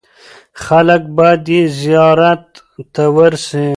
خلک باید یې زیارت ته ورسي.